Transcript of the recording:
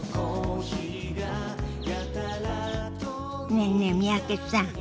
ねえねえ三宅さん。